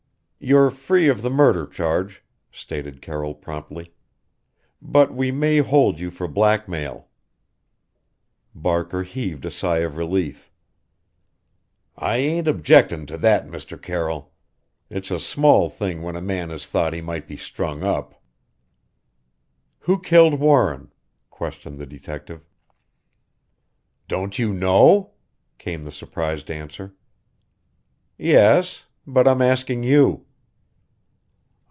"You're free of the murder charge," stated Carroll promptly, "but we may hold you for blackmail." Barker heaved a sigh of relief. "I ain't objectin' to that, Mr. Carroll. It's a small thing when a man has thought he might be strung up." "Who killed Warren?" questioned the detective. "Don't you know?" came the surprised answer. "Yes but I'm asking you."